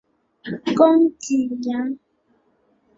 攻济阳。